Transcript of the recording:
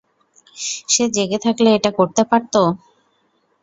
সে জেগে থাকলে এটা করতে পারতো?